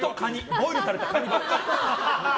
ボイルされたカニ。